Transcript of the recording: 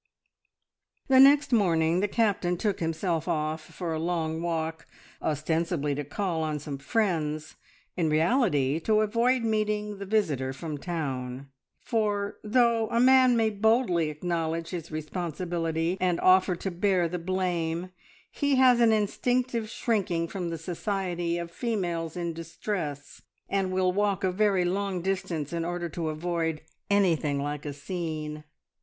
The next morning the Captain took himself off for a long walk, ostensibly to call on some friends, in reality to avoid meeting the visitor from town; for though a man may boldly acknowledge his responsibility and offer to bear the blame, he has an instinctive shrinking from the society of females in distress, and will walk a very long distance in order to avoid anything like a scene.